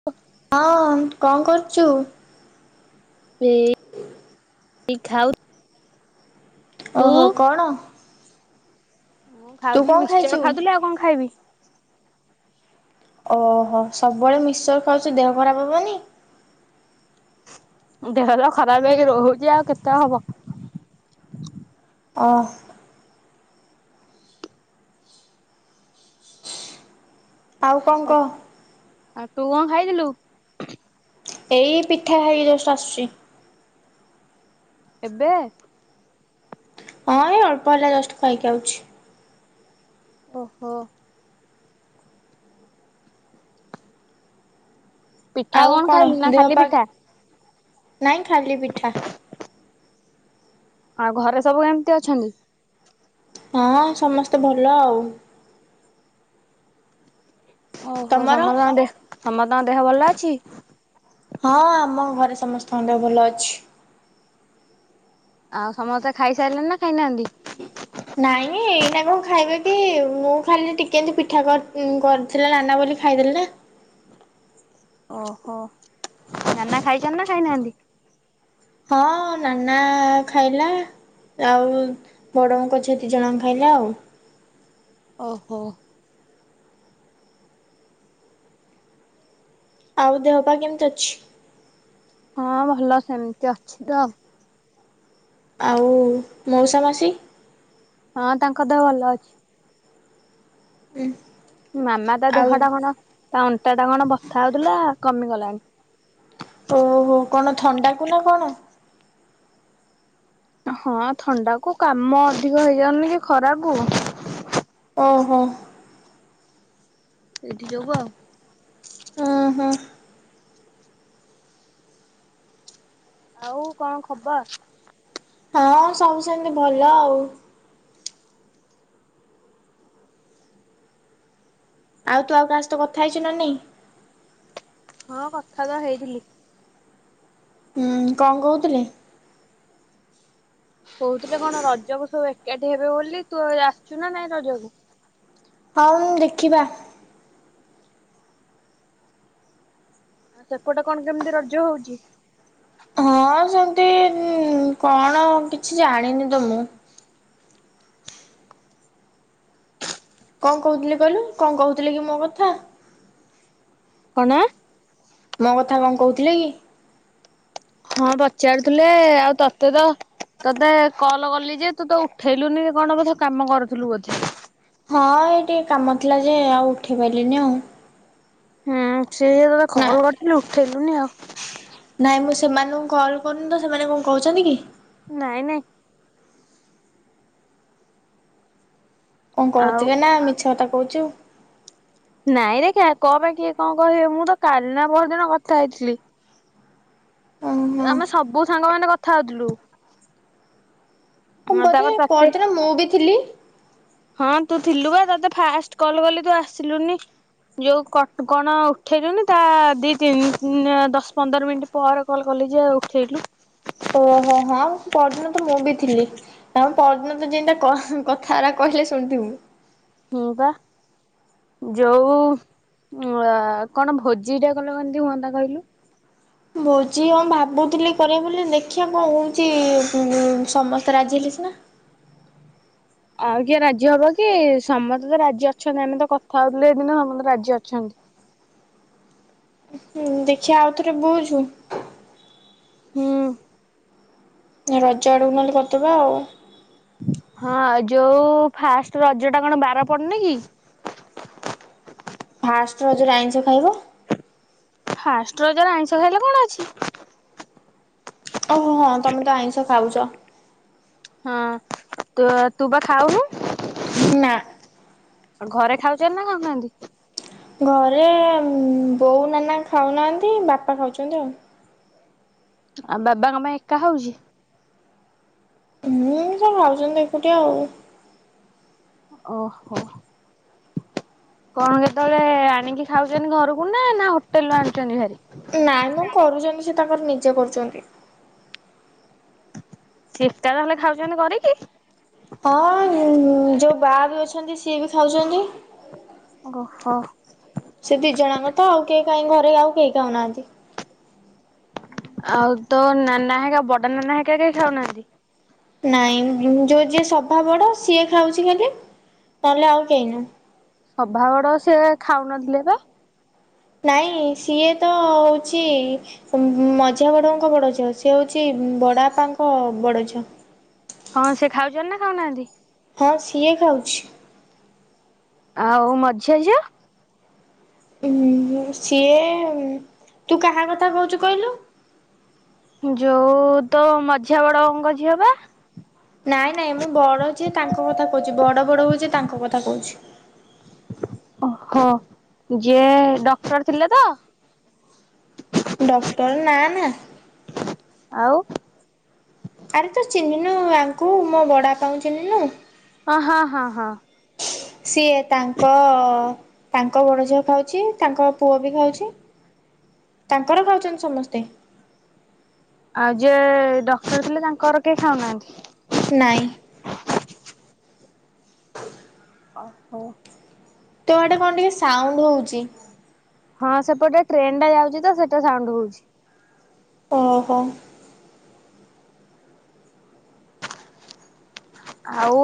[unintelligible] ହଁ କଣ କରୁଚୁ? [unintelligible] [unintelligible] ଏଇ ଖାଉ ତୁ? ଓହୋ କଣ? ମୁଁ ତୁ ଖାଉଥିଲି କଣ ଖାଇଛୁ? ମିକ୍ସଚର ଖାଉଥିଲି ଆଉ କଣ ଖାଇବି। ଓହୋ ସବୁବେଳେ ମିକ୍ସର ଖାଉଚୁ ଦେହ ଖରାପ ହବନି? ଦେହ ତ ଖରାପ ହେଇକି ରହୁଛି ଆଉ କେତେ ହବ। ଅ ଆଉ କଣ କ ଆଉ ତୁ କଣ ଖାଇଥିଲୁ? ଏଇ ପିଠା ଖାଇକି ଜଷ୍ଟ ଆସୁଛି। ଏବେ? ହଁ ଏଇ ଅଳ୍ପ ହେଲା ଜଷ୍ଟ ଖାଇକି ଆଉଛି। ଓହୋ। ପିଠା ଆଉ କଣ ଖାଇଲୁ ନା ଦେହ ଖାଲି ପା ପିଠା ନାଇଁ ଖାଲି ପିଠା। ଆଉ ଘରେ ସବୁ କେମିତି ଅଛନ୍ତି? ହଁ ସମସ୍ତେ ଭଲ ଆଉ। ଓହୋ ତମର? ସମତ ଦେହ ସମତଙ୍କ ଦେହ ଭଲ ଅଛି? ହଁ ଆମ ଘରେ ସମସ୍ତଙ୍କ ଦେହ ଭଲ ଅଛି। ଆଉ ସମସ୍ତେ ଖାଇସାରିଲେଣି ନା ଖାଇନାହାନ୍ତି? ନାଇଁ ଏଇନା କଣ ଖାଇବେ କି ମୁଁ ଖାଲି ଟିକେ ଏନ୍ତି ପିଠା ଉ କର-କର ଥିଲା ଲାନା ବୋଲି ଖାଇଦେଲେ ନା। ଓହୋ ନାନା ଖାଇଛନ୍ତି ନା ଖାଇନାହାନ୍ତି? ହଁ ନାନା ଖାଇଲା। ଆଉ ବଡ଼ବୋଉଙ୍କ ଝିଅ ଦିଜଣଙ୍କ ଖାଇଲେ ଆଉ ଓହୋ ଆଉ ଦେହ ପା କେମିତି ଅଛି? ହଁ ଭଲ ସେମତି ଅଛି ତ ଆଉ ମଉସା ମାଉସି ହଁ ତାଙ୍କ ଦେହ ଭଲ ଅଛି। ହୁଁ ମାମା ତା ଦେହ ଟା କଣ ତା ଅଣ୍ଟା ଟା କଣ ବଥା ହଉଥିଲା କମିଗଲାଣି ଓହୋ କଣ ଥଣ୍ଡା କୁ ନା କଣ? ହଁ ଥଣ୍ଡାକୁ କାମ ଅଧିକ ହେଇଯାଉନି କି ଖରାକୁ ଓହୋ ଏଠି ଯୋଗୁଁ ଆଉ ଓ ହୋ ଆଉ କଣ ଖବର? ହଁ ସବୁ ସେମିତି ଭଲ ଆଉ ଆଉ ତୁ ଆଉ କାହା ସହିତ କଥା ହେଇଛୁ ନା ନାଇଁ ହଁ କଥା ତ ହେଇଥିଲି। ହୁଁ କଣ କହୁଥିଲେ। କହୁଥିଲେ କଣ ରଜକୁ ସବୁ ଏକାଠି ହେବେ ବୋଲି, ତୁ ଆସିଛୁ ନା ନାଇଁ ରଜକୁ? ହଉ ଦେଖିବା। ସେପଟ କଣ କେମିତି ରଜ ହଉଛି? ହଁ ସେମିତି କଣ କିଛି ଜାଣିନି ତ ମୁଁ। କଣ କହୁଥିଲି କହିଲୁ, କଣ କହୁଥିଲେ କି ମୋ କଥା? କଣ? ମୋ କଥା କଣ କହୁଥିଲେ କି? ହଁ ପଚାରୁଥିଲେ, ଆଉ ତତେ ତ ତୋତେ କଲ କଲି ଯେ ତୁ ତ ଉଠେଇଲୁନି କଣ ବୋଧ କାମ କରୁଥିଲୁ ବୋଧେ। ହଁ ଏ ଟିକେ କାମ ଥିଲା ଯେ ଆଉ ଉଠେଇ ପାରିଲିନି ଆଉ। ହୁଁ ସେୟା ତତେ ନା କଲ୍ କରିଥିଲି ଉଠେଇଲୁନି ଆଉ। ନାଇଁ ମୁଁ ସେମାନଙ୍କୁ କଲ୍ କରୁନି ତ ସେମାନେ କଣ କହୁଛନ୍ତି କି? ନାଇଁ ନାଇଁ। କଣ ଆଉ କହୁଥିବେ ନା ମିଛ କଥା କହୁଛୁ। ନାଇଁରେ କଁ ପାଇଁ କିଏ କଣ କହିବ। ମୁଁ ତ କାଲିନା ପରଦିନ କଥା ହେଇଥିଲି। ଓହୋ ଆମେ ସବୁ ସାଙ୍ଗମାନେ କଥା ହଉଥିଲୁ। ହଁ ବୋଧେ ତାପରେ ତତେ ପରଦିନ ମୁଁ ବି ଥିଲି ହଁ ତୁ ଥିଲୁ ବା ତତେ ଫାଷ୍ଟ କଲ କଲି ତୁ ଆସିଲୁନି। ଯୋଉ କଣ ଉଠେଇଲୁନି ତା ଦି ତିନି ଦଶ ପନ୍ଦର ମିନିଟ୍। ପରେ କଲ୍ କଲି ଯେ ଆଉ ଉଠେଇଲୁ। ଓହୋ ହଁ ପରିଦିନ ତ ମୁଁ ବି ଥିଲି। ହଁ ପରିଦିନ ତ ଯେମିତା କଥାଅରା କହିଲେ ଶୁଣିଥିବୁ। ହୁଁ ପା। ଯୋଉ କଣ ଭୋଜିଟେ କଲେ କେମିତି ହୁଅନ୍ତା କହିଲୁ। ଭୋଜି ହଁ ଭାବୁଥିଲି କରିବା ବୋଲି ଦେଖିବା କଣ ହଉଛି ସମସ୍ତେ ରାଜି ହେଲେ ସିନା। ଆଉ କିଏ ରାଜି ହବ କି ସମସ୍ତେ ତ ରାଜି ଅଛନ୍ତି। ଆମେ ତ କଥା ହଉଥିଲେ ଏଇଦିନ ସମସ୍ତେ ରାଜି ଅଛନ୍ତି। ହଁ ଦେଖିଆ ଆଉ ଥରେ ବୁଝୁ। ହୁଁ। ରଜ ଆଡ଼କୁ ନହେଲେ କରିଦବା ଆଉ। ହଁ ଯୋଉ ଫାଷ୍ଟ ରଜଟା କଣ ବାର ପଡୁନି କି? ଫାଷ୍ଟ ରଜରେ ଆଇଁଷ ଖାଇବା। ଫାଷ୍ଟ ରଜରେ ଆଇଁଷ ଖାଇଲେ କଣ ଅଛି? ଓହୋ ହଁ ତମେ ତ ଆଇଁଷ ଖାଉଛ। ହଁ ତ ତୁ ବା ଖାଉନୁ। ନା। ଆ ଘରେ ଖାଉଛନ୍ତି ନା ଖାଉନାହାନ୍ତି। ଘରେ ବୋଉ ନାନା ଖାଉନାହାନ୍ତି ବାପା ଖାଉଛନ୍ତି ଆଉ। ଆଉ ବାବାଙ୍କ ପାଇଁ ଏକା ହଉଛି। ହୁଁ ସେ ଖାଉଛନ୍ତି ଏକୁଟିଆ ଆଉ। ଓ ହୋ। କଣ କେତେବେଳେ ଆଣିକି ଖାଉଛନ୍ତି ଘରକୁ ନା ନା ହୋଟେଲରୁ ଆଣୁଛନ୍ତି ଭାରି। ନାଇଁ ମୁଁ କରୁଛନ୍ତି ସେ ତାଙ୍କର ନିଜେ କରୁଛନ୍ତି। ଚିଫ୍ଟା ହେଲେ ଖାଉଛନ୍ତି କରିକି। ହଁ ଯୋଉ ବା ବି ଅଛନ୍ତି ସିଏ ବି ଖାଉଛନ୍ତି। ଓହୋ। ସେ ଦି ଜଣଙ୍କୁ ତ ଆଉ କେହି କାହିଁ ଘରେ ଆଉ କେହି ଖାଉନାହାନ୍ତି। ଆଉ ତୋ ନାନା ହେକା ବଡ ନାନା ହେକା କେହି ଖାଉନାହାନ୍ତି। ନାଇଁ ଯୋଉ ଯିଏ ସଭା ବଡ ସିଏ ଖାଉଛି ଖାଲି ନହେଲେ ଆଉ କେହି ନୁହଁ। ସଭା ବଡ ସିଏ ଖାଉନଥିଲେ ବା। ନାଇଁ ସିଏ ତ ହଉଛି। ସେମୁ ମଝିଆ ବଡଉଁଙ୍କ ବଡ ଝିଅ ସେ ହୋଉଚି ବଡାପାଙ୍କ ବଡ ଝିଅ ହଁ ସେ ଖାଉଚନ୍ତି ନା ଖାଉନାହାନ୍ତି। ହଁ ସିଏ ଖାଉଚି। ଆଉ ମଝିଆ ଝିଅ। ଉ ସିଏ ତୁ କାହା କଥା କୋହୁଚୁ କହିଲୁ। ଯୋଉ ତ ମଝିଆ ବଡବୋଉଙ୍କ ଝିଅ ପା। ନାଇଁ ନାଇଁ ମୁଁ ବଡ ଯେ ତା ତାଙ୍କ କଥା କଉଚି ବଡ ବଡ ହୋଉଚି ତାଙ୍କ କଥା କୋହୁଚି। ଓହୋ ଯିଏ ଡକ୍ଟର ଥିଲେ ତ ଡକ୍ଟର ନା ନା। ଆଉ। ଆରେ ତୁ ଚିହ୍ନିନୁ ଆଙ୍କୁ ମୋ ବଡ଼ା ପା ଚିହ୍ନିନୁ। ଓ ହଁ ହଁ ହଁ। ସିଏ ତାଙ୍କ ଅ ଅ ତାଙ୍କ ବଡ଼ଝିଅ ଖାଉଚି ତାଙ୍କ ପୁଅ ବି ଖାଉଚି ତାଙ୍କର ଖାଉଚନ୍ତି ସମସ୍ତେ। ଆଉ ଯିଏ ଡକ୍ଟର ଥିଲେ ତାଙ୍କର କେହି ଖାଉନାହାନ୍ତି। ନାଇଁ। ଓହୋ। ତ ଆଟେ କଣ ଟିକେ ସାଉଣ୍ଡ ହୋଉଚି। ହଁ ସେପଟେ ଟ୍ରେନ ଟା ଯାଉଚି ତ ସେଟା ସାଉଣ୍ଡ ହୋଉଚି। ଓହୋ।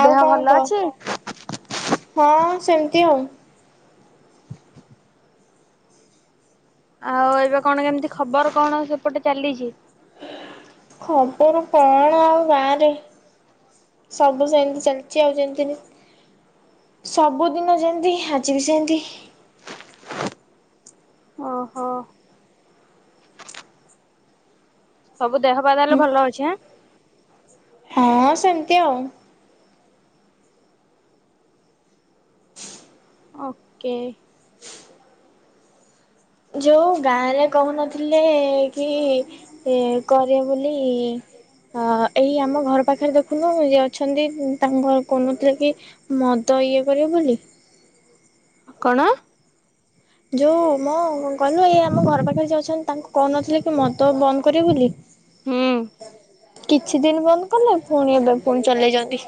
ଆଉ ଦେହ କଣ ଭଲ କହ ଅଛି? ହଁ ସେମିତି ଆଉ। ଆଉ ଏବେ କଣ କେମିତି ଖବର କଣ ସେପଟେ ଚାଲିଚି। ଖବର କଣ ଆଉ ଗାଁ ରେ ସବୁ ସେମିତି ଚାଲିଚି ଆଉ ଯେମତି ସବୁଦିନ ଯେମତି ଆଜିିବି ସେମତି। ଓହୋ। ସବୁ ଦେହ ପା ତାହେଲେ ଭଲ ଅଛି ଆଁ। ହଁ ସେମିତି ଆଉ। କେ ଯୋଉ ଗାଁ ରେ କହୁନଥିଲେ କି ଏ କରିବୁ ବୋଲି ହଅ ଏଇ ଆମ ଘର ପାଖରେ ଦେଖୁନୁ ଇଏ ଅଛନ୍ତି ତାଙ୍କ କଉନଥିଲେ କି ମଦ ଇଏ କରିବେ ବୋଲି। କଣ। ଯୋଉ ମୋ କଣନି ଆମ ଘର ପାଖରେ ଯିଏ ଅଛନ୍ତି ତାଙ୍କୁ କୋଉନଥିଲେ କି ମଦ ବନ୍ଦ କରିବେ ବୋଲି। ହୁଁ। କିଛି ଦିନି ବନ୍ଦ କଲେ ପୁଣି ଏବେ ପୁଣି ଚଲେଇଚନ୍ତି।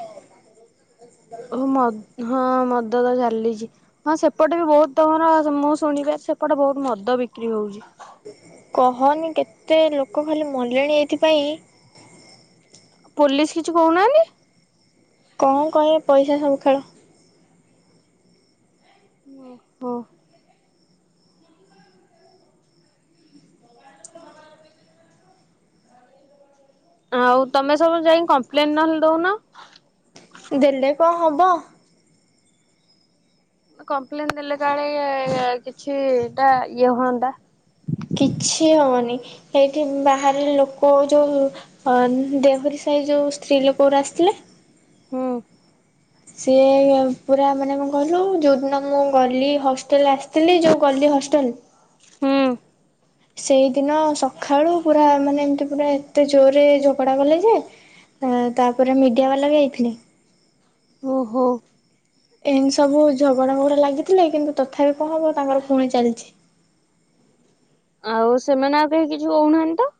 ଓ ମ ହଁ ମଦ ତ ଚାଲିଚି। ହଁ ସେପଟେ ବି ବୋହୁତ ତମର ମୁଁ ଶୁଣିବାରେ ସେପଟେ ବୋହୁତ ମଦ ବିକ୍ରି ହୋଉଚି। କହନି କେତେ ଲୋକ ଖାଲି ମଲେଣି ଏଇଥିପାଇଁ। ପୋଲିସ କିଛି କୋହୁନାହାନ୍ତି। କଣ କହିବେ ପଇସା ସବୁ ଖେଳ। ଓ ହୋ। ଆଉ ତମେ ସବୁ ଯାଇଁକି କମ୍ପ୍ଲେନ ନହେଲେ ଦୋଉନ। ଦେଲେ କଣ ହବ। କମ୍ପ୍ଲେନ ଦେଲେ କାଳେ କିଛି ଟା ଇଏ ହୁଅନ୍ତା। କିଛି ହବନି ଏଇଠି ବାହାରେ ଲୋକ ଯୋଉ ହ ଦେହୋରୀ ସାହି ଯୋଉ ସ୍ତ୍ରୀ ଲୋକରା ଆସିଥିଲେ ହୁଁ। ସିଏ-ଏ ପୁରା ମାନେ କଣ କହିଲୁ, ଯୋଉ ଦିନ ମୁଁ ଗଲି ହଷ୍ଟେଲ ଆସିଥିଲି, ଯୋଉ ଗଲି ହଷ୍ଟେଲ ସେଇଦିନ ସଖାଳୁ ପୁରା ମାନେ ଏମିତି ପୁରା ଏତେ ଜୋରରେ ଝଗଡା କଲେ ଯେ ତା'ପରେ ମିଡ଼ିଆ ବାଲା ବି ଆଇଥିଲେ। ଓହୋ! ଏମିତି ସବୁ ଝଗଡା ଫଗଡା ଲାଗିଥିଲେ, କିନ୍ତୁ ତଥାପି କଣ ହବ, ତାଙ୍କର ପୁଣି ଚାଲିଛି। ଆଉ, ସେମାନେ ଆଉ କେହି କିଛି କହୁନାହାଁନ୍ତି ତ?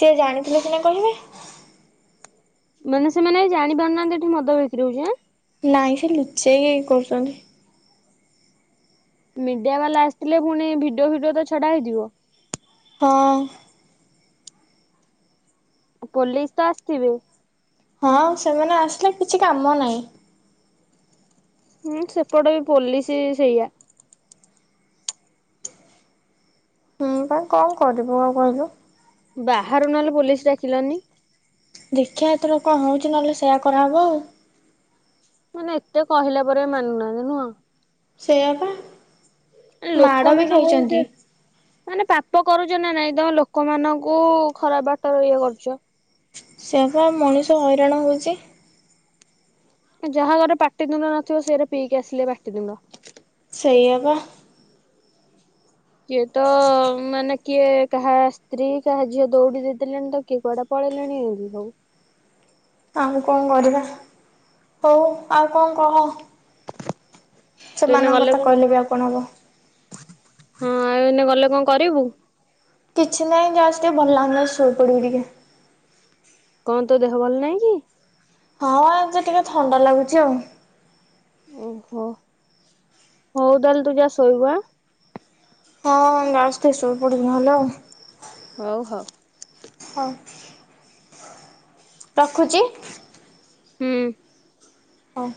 ସିଏ ଜାଣିଥିଲେ ସିନା କହିବେ? ମାନେ ସେମାନେ ଜାଣି ପାରୁନାହାଁନ୍ତି, ଏଠି ମଦ ବିକ୍ରି ହଉଛି ଆଁ! ନାଇଁ, ସେ ଲୁଚେଇ କି କରୁସନ୍ତି। ମିଡିଆ ବାଲା ଆସିଥିଲେ ଫୁଣି ଭିଡିଓ ଫିଡିଓ ତ ଛଡା ହେଇଥିବ। ହଁ। ପୋଲିସ ତ ଆସିଥିବେ। ହଁ, ସେମାନେ ଆସିଲେ କିଛି କାମ ନାହିଁ। ହୁଁ, ସେପଟ ବି ପୋଲିସି ସେଇଆ। ହୁଁ, ପା କଣ କରିବୁ ଆଉ କହିଲୁ? ବାହାରୁ ନହେଲେ ପୋଲିସ ଡାକିଲନି! ଦେଖିଆ, ଏଥର କଣ ହଉଛି? ନହେଲେ ସେୟା କରାହେବ ଆଉ। ମାନେ, ଏତେ କହିଲା ପରେ ମାନୁନାହାଁନ୍ତି ନୁହଁ! ସେୟାଆ ପା ମାଡ଼ ବି ଲୋକମାନଙ୍କୁ ସେ ଖାଇଛନ୍ତି। ମାନେ ପାପ କରୁଛ ନା ନାଇଁ, ତମେ ଲୋକମାନଙ୍କୁ ଖରାପ ବାଟରେ ଇଏ କରୁଛ। ସେୟାପା ମଣିଷ ହଇରାଣ ହଉଛି। ଯାହା ଘରେ ପାଟିତୁଣ୍ଡ ନଥିବ, ସେଇରା ପିକି ଆସିଲେ ପାଟିତୁଣ୍ଡ। ସେଇଆପା। କିଏ ତ ମାନେ କିଏ କାହା ସ୍ତ୍ରୀ, କାହା ଝିଅ, ଦୌଡି ଦେଇଦେଲେଣି ତ, କିଏ କୁଆଡେ ପଳେଇଲେଣି ଏଁତି ସବୁ। ଆଉ କଣ କରିବା, ହଉ ଆଉ କଣ କହ? ତୁ ଏନେ ସେମାନଙ୍କ ଗଲେ କଥା କଣ, କହିଲେ ବି ଆଉ କଣ ହବ ହଁ ଏଇନା ଗଲେ କଣ କରିବୁ? କିଛି ନାହିଁ ଯାଉଛି ଟିକେ, ଭଲଲାଗୁନି ଶୋଇପଡିବି ଟିକେ। କଣ ତୋ ଦେହ ଭଲ ନାଇଁ କି? ହଁ, ଆଜି ଟିକେ ଥଣ୍ଡା ଲାଗୁଛି ଆଉ। ଓହୋ! ହଉ ତାହେଲେ ତୁ ଯା ଶୋଇବୁ ଆ ହଁ, ଯାଉଛି ଟିକେ ଶୋଇପଡ଼ିବି ନହେଲେ ଆଉ। ହଉ ହ। ହ ରଖୁଚି? ହୁଁ। ହଁ।